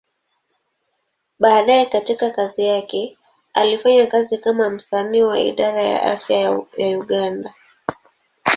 Baadaye katika kazi yake, alifanya kazi kama msanii wa Idara ya Afya ya Uganda.